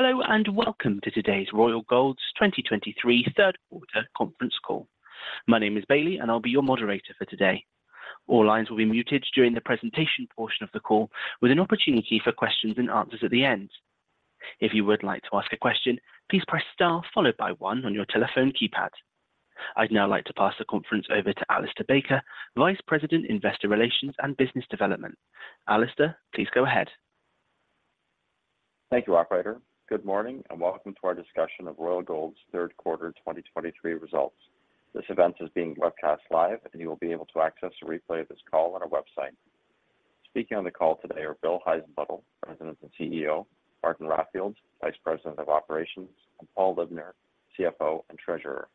Hello, and welcome to today's Royal Gold's 2023 third quarter conference call. My name is Bailey, and I'll be your moderator for today. All lines will be muted during the presentation portion of the call, with an opportunity for questions and answers at the end. If you would like to ask a question, please press Star followed by one on your telephone keypad. I'd now like to pass the conference over to Alistair Baker, Vice President, Investor Relations and Business Development. Alistair, please go ahead. Thank you, operator. Good morning, and welcome to our discussion of Royal Gold's third quarter 2023 results. This event is being webcast live, and you will be able to access a replay of this call on our website. Speaking on the call today are Bill Heissenbuttel, President and CEO, Martin Raffield, Vice President of Operations, and Paul Libner, CFO and Treasurer.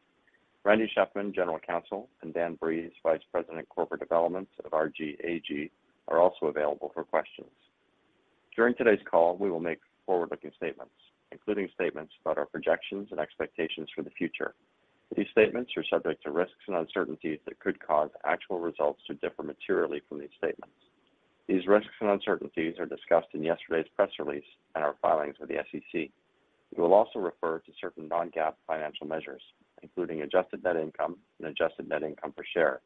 Randy Shefman, General Counsel, and Dan Breeze, Vice President, Corporate Development of RGLD Gold AG, are also available for questions. During today's call, we will make forward-looking statements, including statements about our projections and expectations for the future. These statements are subject to risks and uncertainties that could cause actual results to differ materially from these statements. These risks and uncertainties are discussed in yesterday's press release and our filings with the SEC. We will also refer to certain non-GAAP financial measures, including adjusted net income and adjusted net income per share.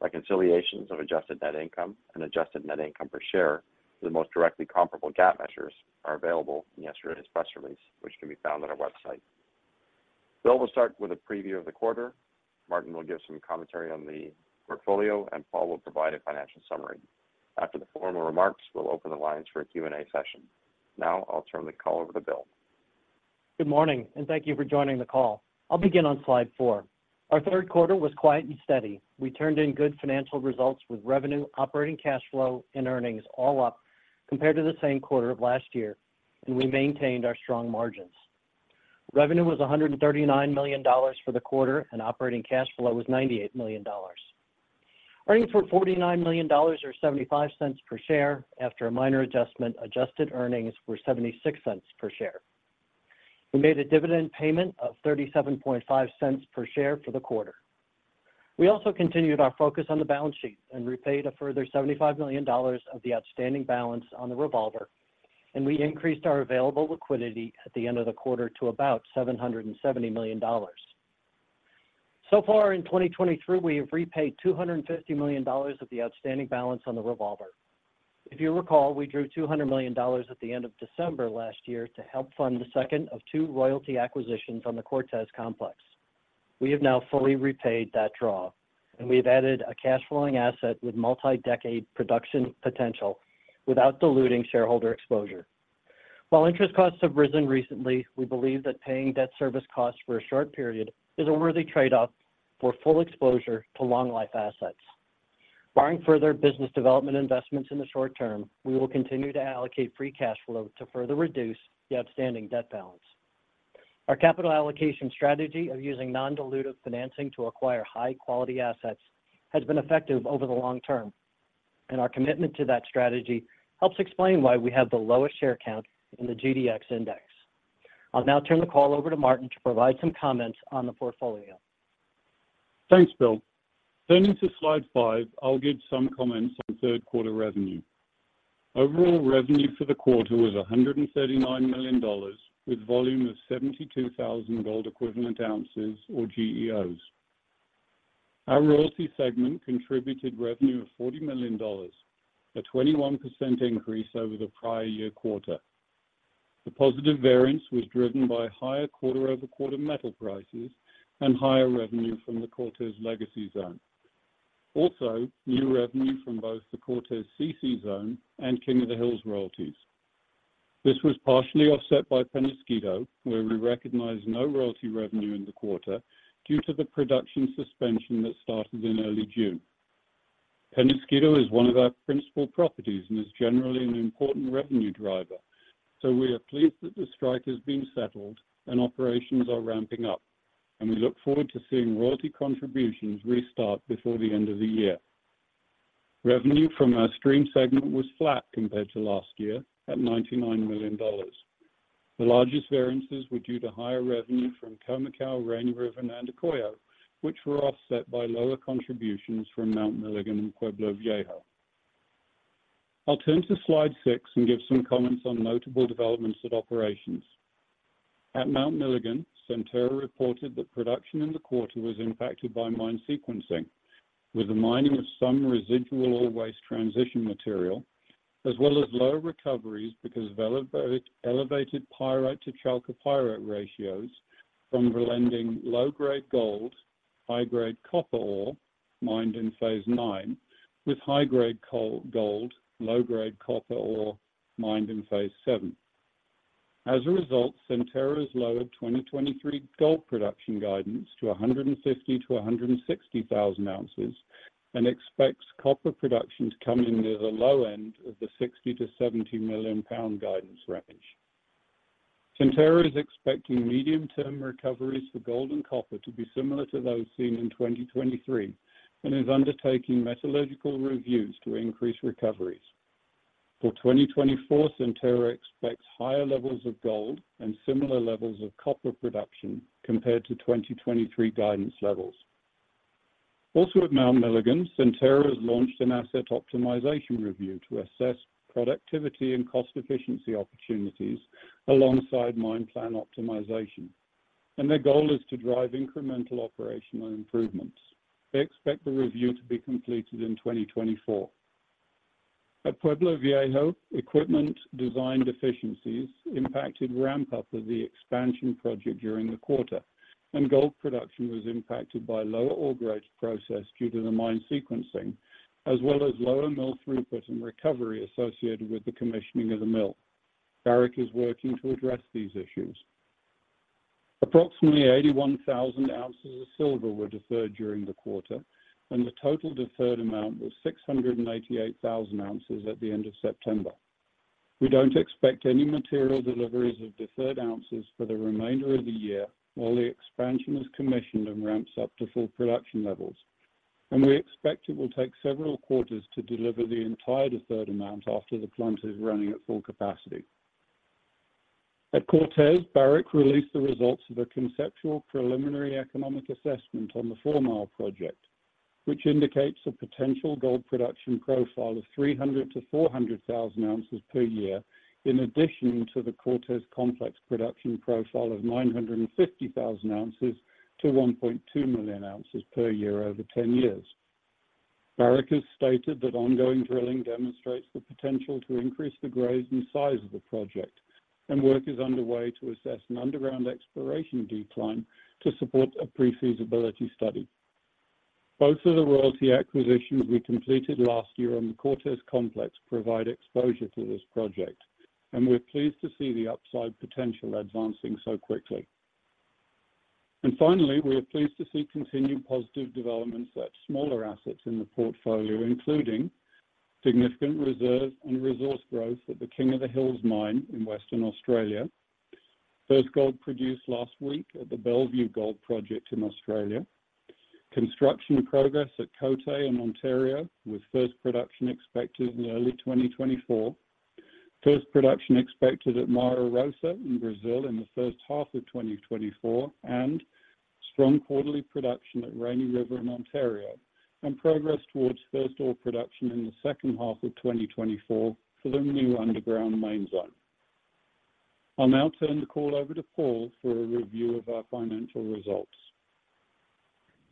Reconciliations of adjusted net income and adjusted net income per share to the most directly comparable GAAP measures are available in yesterday's press release, which can be found on our website. Bill will start with a preview of the quarter, Martin will give some commentary on the portfolio, and Paul will provide a financial summary. After the formal remarks, we'll open the lines for a Q&A session. Now, I'll turn the call over to Bill. Good morning, and thank you for joining the call. I'll begin on slide 4. Our third quarter was quiet and steady. We turned in good financial results with revenue, operating cash flow, and earnings all up compared to the same quarter of last year, and we maintained our strong margins. Revenue was $139 million for the quarter, and operating cash flow was $98 million. Earnings were $49 million, or $0.75 per share. After a minor adjustment, adjusted earnings were $0.76 per share. We made a dividend payment of $0.375 per share for the quarter. We also continued our focus on the balance sheet and repaid a further $75 million of the outstanding balance on the revolver, and we increased our available liquidity at the end of the quarter to about $770 million. So far in 2023, we have repaid $250 million of the outstanding balance on the revolver. If you recall, we drew $200 million at the end of December last year to help fund the second of two royalty acquisitions on the Cortez Complex. We have now fully repaid that draw, and we've added a cash flowing asset with multi-decade production potential without diluting shareholder exposure. While interest costs have risen recently, we believe that paying debt service costs for a short period is a worthy trade-off for full exposure to long-life assets. Barring further business development investments in the short term, we will continue to allocate free cash flow to further reduce the outstanding debt balance. Our capital allocation strategy of using non-dilutive financing to acquire high-quality assets has been effective over the long term, and our commitment to that strategy helps explain why we have the lowest share count in the GDX index. I'll now turn the call over to Martin to provide some comments on the portfolio. Thanks, Bill. Turning to slide 5, I'll give some comments on third quarter revenue. Overall revenue for the quarter was $139 million, with volume of 72,000 gold equivalent ounces or GEOs. Our royalty segment contributed revenue of $40 million, a 21% increase over the prior year quarter. The positive variance was driven by higher quarter-over-quarter metal prices and higher revenue from the Cortez Legacy Zone. Also, new revenue from both the Cortez CC Zone and King of the Hills royalties. This was partially offset by Peñasquito, where we recognized no royalty revenue in the quarter due to the production suspension that started in early June. Peñasquito is one of our principal properties and is generally an important revenue driver, so we are pleased that the strike has been settled and operations are ramping up, and we look forward to seeing royalty contributions restart before the end of the year. Revenue from our stream segment was flat compared to last year, at $99 million. The largest variances were due to higher revenue from Khoemacau, Rainy River, and Xavantina, which were offset by lower contributions from Mount Milligan and Pueblo Viejo. I'll turn to slide six and give some comments on notable developments at operations. At Mount Milligan, Centerra reported that production in the quarter was impacted by mine sequencing, with the mining of some residual ore waste transition material, as well as lower recoveries because of elevated pyrite to chalcopyrite ratios from blending low-grade gold, high-grade copper ore mined in phase nine, with high-grade gold, low-grade copper ore mined in phase seven. As a result, Centerra's lowered 2023 gold production guidance to 150-160 thousand ounces and expects copper production to come in near the low end of the 60-70 million pound guidance range. Centerra is expecting medium-term recoveries for gold and copper to be similar to those seen in 2023 and is undertaking metallurgical reviews to increase recoveries. For 2024, Centerra expects higher levels of gold and similar levels of copper production compared to 2023 guidance levels. Also at Mount Milligan, Centerra has launched an asset optimization review to assess productivity and cost efficiency opportunities alongside mine plan optimization, and their goal is to drive incremental operational improvements. They expect the review to be completed in 2024. At Pueblo Viejo, equipment design deficiencies impacted ramp-up of the expansion project during the quarter, and gold production was impacted by lower ore grade processed due to the mine sequencing, as well as lower mill throughput and recovery associated with the commissioning of the mill. Barrick is working to address these issues. Approximately 81,000 ounces of silver were deferred during the quarter, and the total deferred amount was 688,000 ounces at the end of September. We don't expect any material deliveries of deferred ounces for the remainder of the year, while the expansion is commissioned and ramps up to full production levels. We expect it will take several quarters to deliver the entire deferred amount after the plant is running at full capacity. At Cortez, Barrick released the results of a conceptual preliminary economic assessment on the Fourmile Project, which indicates a potential gold production profile of 300-400,000 ounces per year, in addition to the Cortez Complex production profile of 950,000 ounces to 1.2 million ounces per year over 10 years. Barrick has stated that ongoing drilling demonstrates the potential to increase the grades and size of the project, and work is underway to assess an underground exploration decline to support a pre-feasibility study. Both of the royalty acquisitions we completed last year on the Cortez Complex provide exposure to this project, and we're pleased to see the upside potential advancing so quickly. Finally, we are pleased to see continued positive developments at smaller assets in the portfolio, including significant reserve and resource growth at the King of the Hills mine in Western Australia. First gold produced last week at the Bellevue Gold Project in Australia. Construction progress at Côté in Ontario, with first production expected in early 2024. First production expected at Mara Rosa in Brazil in the first half of 2024, and strong quarterly production at Rainy River in Ontario, and progress towards first ore production in the second half of 2024 for the new underground mine zone. I'll now turn the call over to Paul for a review of our financial results.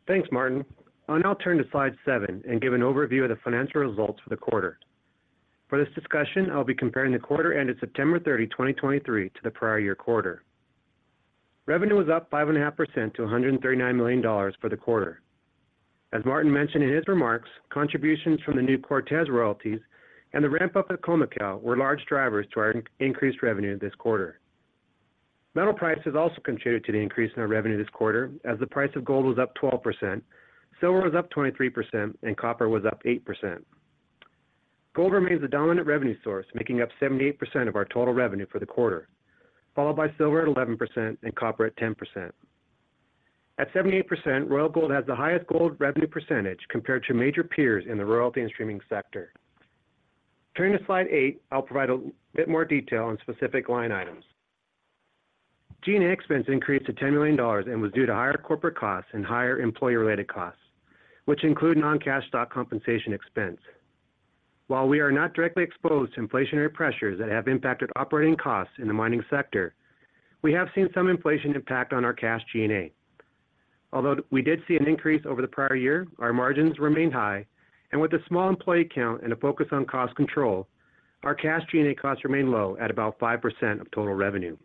Thanks, Martin. I'll now turn to slide 7 and give an overview of the financial results for the quarter. For this discussion, I'll be comparing the quarter ended September 30, 2023, to the prior year quarter. Revenue was up 5.5% to $139 million for the quarter. As Martin mentioned in his remarks, contributions from the new Cortez royalties and the ramp-up at Khoemacau were large drivers to our increased revenue this quarter. Metal prices also contributed to the increase in our revenue this quarter, as the price of gold was up 12%, silver was up 23%, and copper was up 8%. Gold remains the dominant revenue source, making up 78% of our total revenue for the quarter, followed by silver at 11% and copper at 10%. At 78%, Royal Gold has the highest gold revenue percentage compared to major peers in the royalty and streaming sector. Turning to slide 8, I'll provide a bit more detail on specific line items. G&A expense increased to $10 million and was due to higher corporate costs and higher employee-related costs, which include non-cash stock compensation expense. While we are not directly exposed to inflationary pressures that have impacted operating costs in the mining sector, we have seen some inflation impact on our cash G&A. Although we did see an increase over the prior year, our margins remained high, and with a small employee count and a focus on cost control, our cash G&A costs remain low at about 5% of total revenue.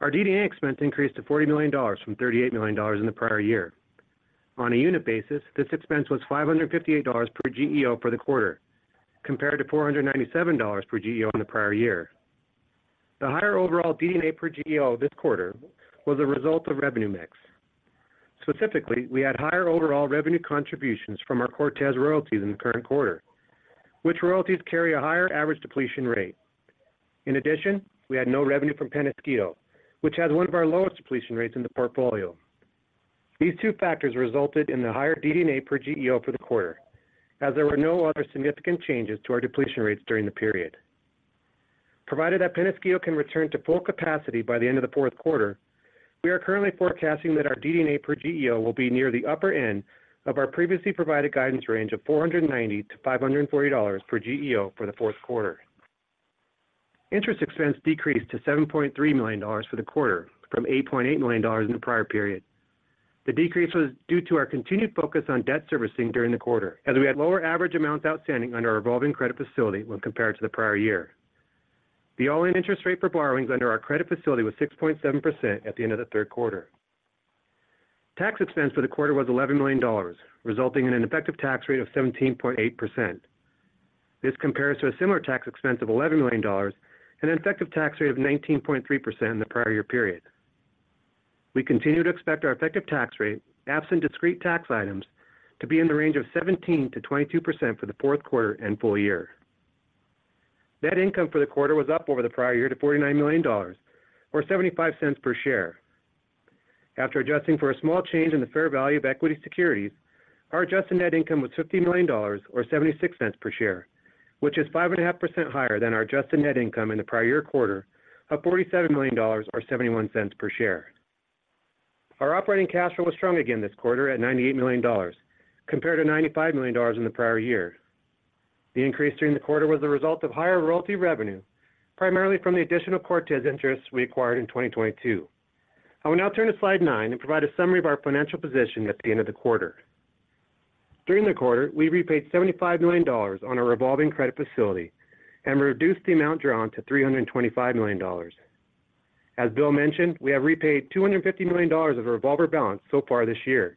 Our DD&A expense increased to $40 million from $38 million in the prior year. On a unit basis, this expense was $558 per GEO for the quarter, compared to $497 per GEO in the prior year. The higher overall DD&A per GEO this quarter was a result of revenue mix. Specifically, we had higher overall revenue contributions from our Cortez royalties in the current quarter, which royalties carry a higher average depletion rate. In addition, we had no revenue from Peñasquito, which has one of our lowest depletion rates in the portfolio. These two factors resulted in the higher DD&A per GEO for the quarter, as there were no other significant changes to our depletion rates during the period. Provided that Peñasquito can return to full capacity by the end of the fourth quarter, we are currently forecasting that our DD&A per GEO will be near the upper end of our previously provided guidance range of $490-$540 per GEO for the fourth quarter. Interest expense decreased to $7.3 million for the quarter, from $8.8 million in the prior period. The decrease was due to our continued focus on debt servicing during the quarter, as we had lower average amounts outstanding under our revolving credit facility when compared to the prior year. The all-in interest rate for borrowings under our credit facility was 6.7% at the end of the third quarter. Tax expense for the quarter was $11 million, resulting in an effective tax rate of 17.8%. This compares to a similar tax expense of $11 million and an effective tax rate of 19.3% in the prior year period. We continue to expect our effective tax rate, absent discrete tax items, to be in the range of 17%-22% for the fourth quarter and full year. Net income for the quarter was up over the prior year to $49 million, or $0.75 per share. After adjusting for a small change in the fair value of equity securities, our adjusted net income was $50 million, or $0.76 per share... which is 5.5% higher than our adjusted net income in the prior year quarter of $47 million or $0.71 per share. Our operating cash flow was strong again this quarter at $98 million, compared to $95 million in the prior year. The increase during the quarter was the result of higher royalty revenue, primarily from the additional Cortez interests we acquired in 2022. I will now turn to slide 9 and provide a summary of our financial position at the end of the quarter. During the quarter, we repaid $75 million on our revolving credit facility and reduced the amount drawn to $325 million. As Bill mentioned, we have repaid $250 million of our revolver balance so far this year.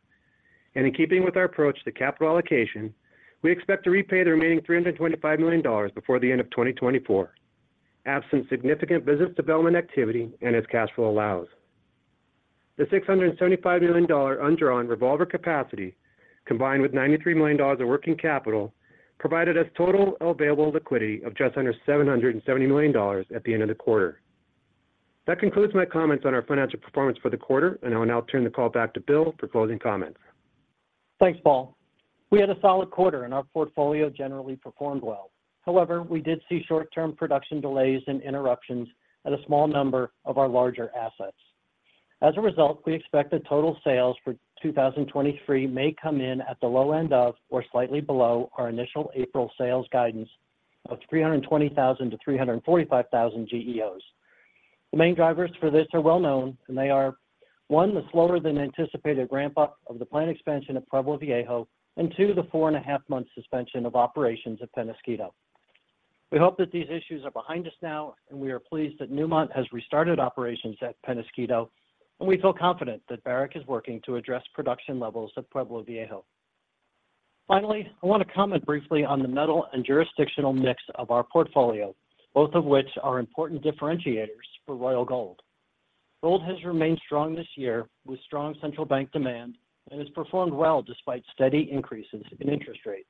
And in keeping with our approach to capital allocation, we expect to repay the remaining $325 million before the end of 2024, absent significant business development activity and as cash flow allows. The $675 million undrawn revolver capacity, combined with $93 million of working capital, provided us total available liquidity of just under $770 million at the end of the quarter. That concludes my comments on our financial performance for the quarter, and I will now turn the call back to Bill for closing comments. Thanks, Paul. We had a solid quarter, and our portfolio generally performed well. However, we did see short-term production delays and interruptions at a small number of our larger assets. As a result, we expect that total sales for 2023 may come in at the low end of or slightly below our initial April sales guidance of 320,000-345,000 GEOs. The main drivers for this are well known, and they are, one, the slower-than-anticipated ramp-up of the planned expansion at Pueblo Viejo, and two, the 4.5-month suspension of operations at Peñasquito. We hope that these issues are behind us now, and we are pleased that Newmont has restarted operations at Peñasquito, and we feel confident that Barrick is working to address production levels at Pueblo Viejo. Finally, I want to comment briefly on the metal and jurisdictional mix of our portfolio, both of which are important differentiators for Royal Gold. Gold has remained strong this year with strong central bank demand and has performed well despite steady increases in interest rates.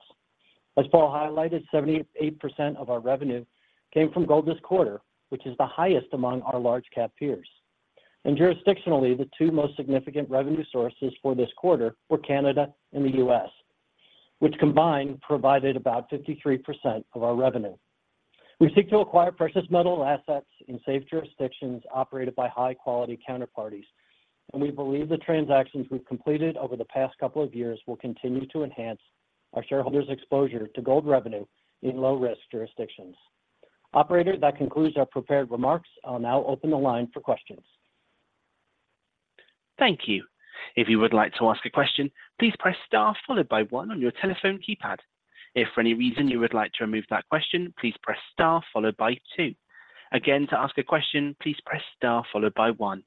As Paul highlighted, 78% of our revenue came from gold this quarter, which is the highest among our large-cap peers. And jurisdictionally, the two most significant revenue sources for this quarter were Canada and the U.S., which combined provided about 53% of our revenue. We seek to acquire precious metal assets in safe jurisdictions operated by high-quality counterparties, and we believe the transactions we've completed over the past couple of years will continue to enhance our shareholders' exposure to gold revenue in low-risk jurisdictions. Operator, that concludes our prepared remarks. I'll now open the line for questions. Thank you. If you would like to ask a question, please press star followed by one on your telephone keypad. If for any reason you would like to remove that question, please press star followed by two. Again, to ask a question, please press star followed by one.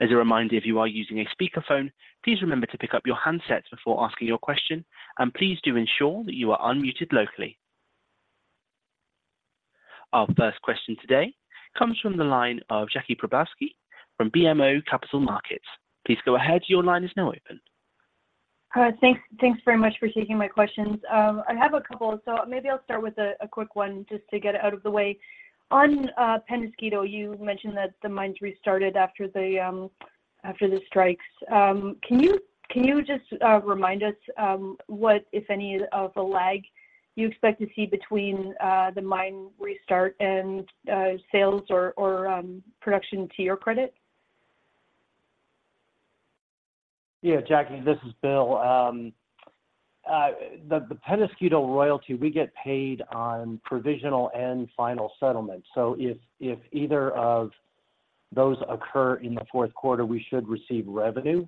As a reminder, if you are using a speakerphone, please remember to pick up your handsets before asking your question, and please do ensure that you are unmuted locally. Our first question today comes from the line of Jackie Przybylowski from BMO Capital Markets. Please go ahead. Your line is now open. Thanks, thanks very much for taking my questions. I have a couple, so maybe I'll start with a quick one just to get it out of the way. On Peñasquito, you mentioned that the mine restarted after the strikes. Can you just remind us what, if any, of the lag you expect to see between the mine restart and sales or production to your credit? Yeah, Jackie, this is Bill. The Peñasquito royalty, we get paid on provisional and final settlement. So if either of those occur in the fourth quarter, we should receive revenue.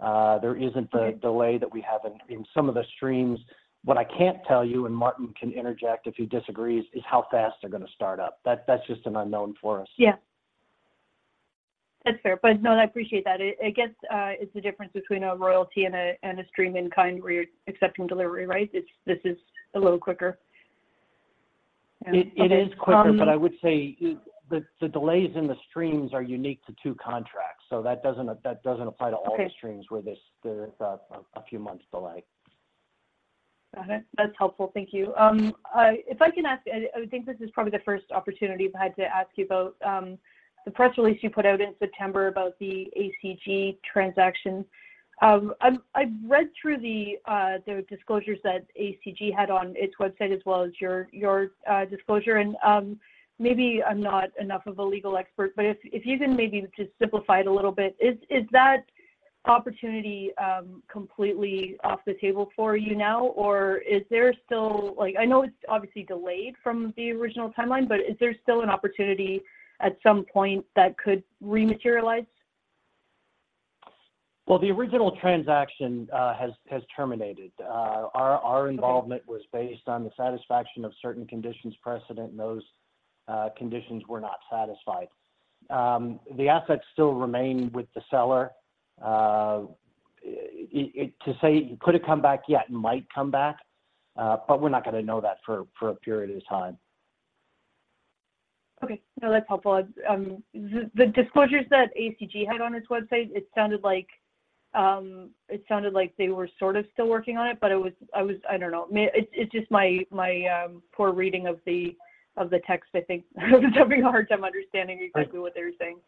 There isn't the delay that we have in some of the streams. What I can't tell you, and Martin can interject if he disagrees, is how fast they're going to start up. That's just an unknown for us. Yeah. That's fair. But no, I appreciate that. It gets, it's the difference between a royalty and a stream in kind where you're accepting delivery, right? It's. This is a little quicker. And, It is quicker, but I would say the delays in the streams are unique to two contracts, so that doesn't apply to all the streams- Okay where there's a few months delay. Got it. That's helpful. Thank you. If I can ask, I think this is probably the first opportunity I've had to ask you about the press release you put out in September about the ACG transaction. I read through the disclosures that ACG had on its website, as well as your disclosure, and maybe I'm not enough of a legal expert, but if you can maybe just simplify it a little bit, is that opportunity completely off the table for you now, or is there still... Like, I know it's obviously delayed from the original timeline, but is there still an opportunity at some point that could rematerialize? Well, the original transaction has terminated. Our involvement- Okay was based on the satisfaction of certain conditions precedent, and those conditions were not satisfied. The assets still remain with the seller. To say, could it come back yet? It might come back, but we're not going to know that for a period of time. Okay. No, that's helpful. The disclosures that ACG had on its website, it sounded like they were sort of still working on it, but I don't know. It's just my poor reading of the text, I think. I'm having a hard time understanding exactly what they were saying.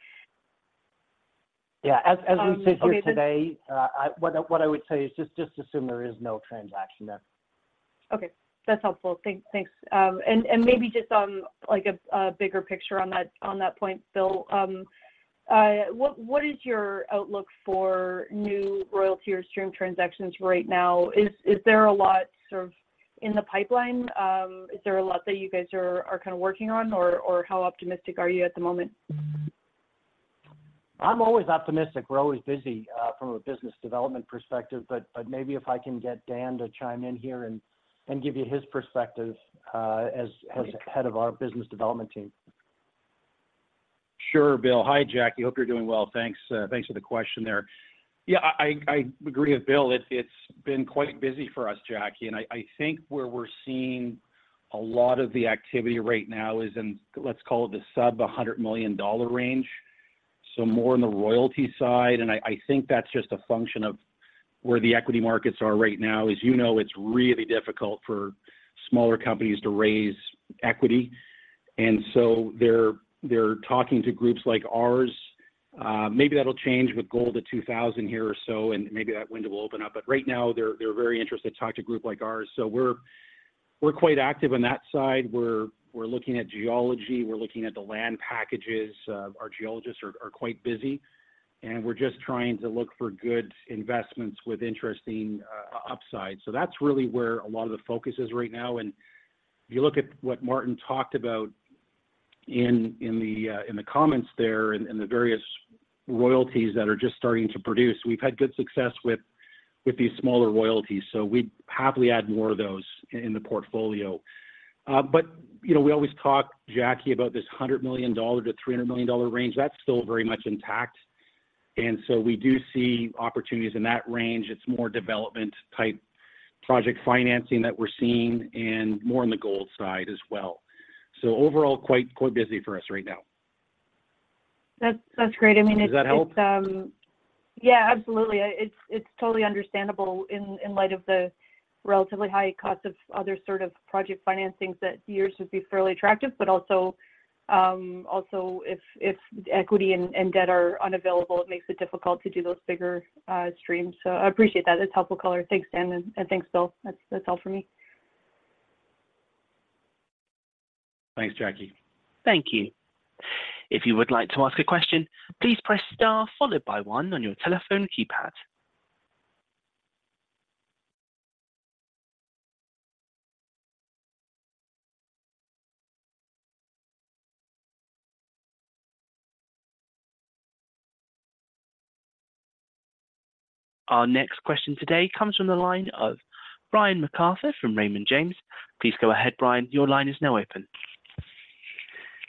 Yeah, as we sit here today, what I would say is just assume there is no transaction there. Okay, that's helpful. Thanks. And maybe just on like a bigger picture on that, on that point, Bill, what is your outlook for new royalty or stream transactions right now? Is there a lot sort of in the pipeline? Is there a lot that you guys are kind of working on, or how optimistic are you at the moment? I'm always optimistic. We're always busy from a business development perspective. But maybe if I can get Dan to chime in here and give you his perspective as head of our business development team. Sure, Bill. Hi, Jackie. Hope you're doing well. Thanks, thanks for the question there. Yeah, I agree with Bill. It's been quite busy for us, Jackie, and I think where we're seeing a lot of the activity right now is in, let's call it the sub-$100 million range, so more on the royalty side. And I think that's just a function of where the equity markets are right now. As you know, it's really difficult for smaller companies to raise equity, and so they're talking to groups like ours. Maybe that'll change with gold at $2,000 here or so, and maybe that window will open up. But right now, they're very interested to talk to a group like ours. So we're quite active on that side. We're looking at geology, we're looking at the land packages. Our geologists are quite busy, and we're just trying to look for good investments with interesting upside. So that's really where a lot of the focus is right now. And if you look at what Martin talked about in the comments there, and the various royalties that are just starting to produce, we've had good success with these smaller royalties, so we'd happily add more of those in the portfolio. But, you know, we always talk, Jackie, about this $100 million-$300 million range, that's still very much intact, and so we do see opportunities in that range. It's more development-type project financing that we're seeing and more on the gold side as well. So overall, quite busy for us right now. That's great. I mean, it- Does that help? Yeah, absolutely. It's totally understandable in light of the relatively high cost of other sort of project financings that yours would be fairly attractive, but also if equity and debt are unavailable, it makes it difficult to do those bigger streams. So I appreciate that. It's helpful color. Thanks, Dan, and thanks, Bill. That's all for me. Thanks, Jackie. Thank you. If you would like to ask a question, please press Star followed by one on your telephone keypad. Our next question today comes from the line of Brian MacArthur from Raymond James. Please go ahead, Brian. Your line is now open.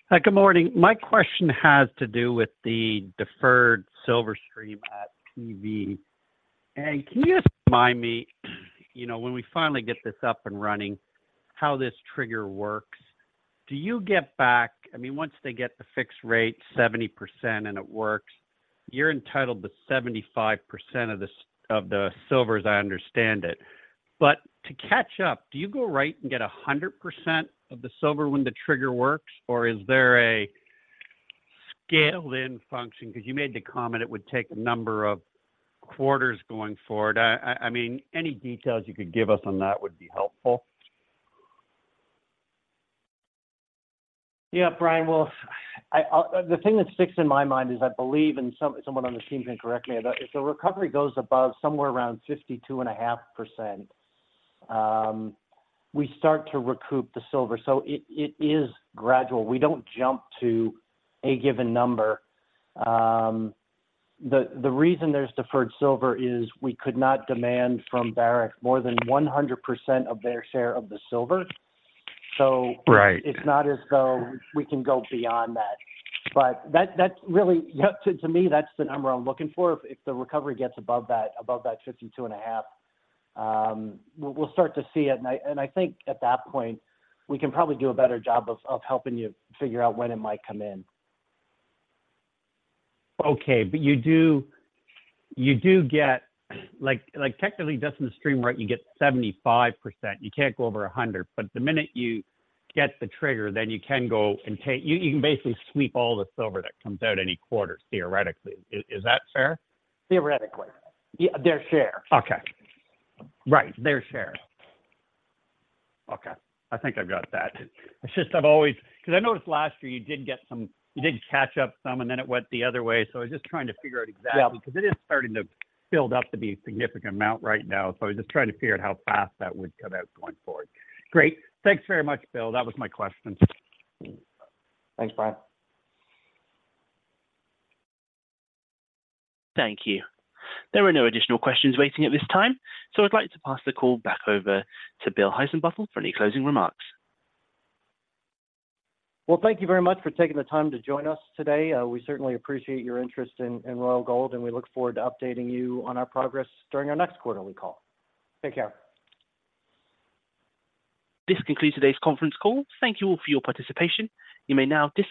Hi, good morning. My question has to do with the deferred silver stream at PV. Can you just remind me, you know, when we finally get this up and running, how this trigger works? Do you get back... I mean, once they get the fixed rate 70% and it works, you're entitled to 75% of the silver, as I understand it. But to catch up, do you go right and get 100% of the silver when the trigger works, or is there a scaled-in function? Because you made the comment it would take a number of quarters going forward. I mean, any details you could give us on that would be helpful. Yeah, Brian, well, the thing that sticks in my mind is, I believe, and someone on the team can correct me, if the recovery goes above somewhere around 52.5%, we start to recoup the silver. So it is gradual. We don't jump to a given number. The reason there's deferred silver is we could not demand from Barrick more than 100% of their share of the silver. So- Right. It's not as though we can go beyond that. But that, that's really, yeah, to me, that's the number I'm looking for. If the recovery gets above that, above that 52.5, we'll start to see it. And I think at that point, we can probably do a better job of helping you figure out when it might come in. Okay. But you do get, like, technically, just in the stream, right, you get 75%. You can't go over 100, but the minute you get the trigger, then you can go and take... You can basically sweep all the silver that comes out any quarter, theoretically. Is that fair? Theoretically. Yeah, their share. Okay. Right, their share. Okay, I think I've got that. It's just I've always—because I noticed last year you did get some, you did catch up some, and then it went the other way. So I was just trying to figure out exactly. Yeah. Because it is starting to build up to be a significant amount right now, so I was just trying to figure out how fast that would come out going forward. Great. Thanks very much, Bill. That was my question. Thanks, Brian. Thank you. There are no additional questions waiting at this time, so I'd like to pass the call back over to Bill Heissenbuttel for any closing remarks. Well, thank you very much for taking the time to join us today. We certainly appreciate your interest in Royal Gold, and we look forward to updating you on our progress during our next quarterly call. Take care. This concludes today's conference call. Thank you all for your participation. You may now disconnect.